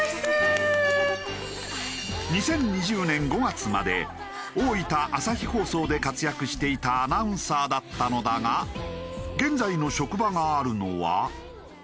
２０２０年５月まで大分朝日放送で活躍していたアナウンサーだったのだが現在の職場があるのは。